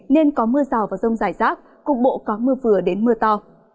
nên có mưa rào và rông rải rác cục bộ có mưa vừa đến mưa to